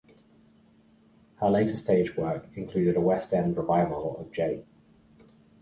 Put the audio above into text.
Her later stage work included a West End revival of J.